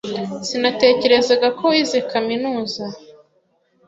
Sinatekerezaga ko wize kaminuza.